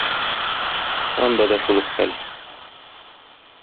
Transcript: Анда да шул ук хәл.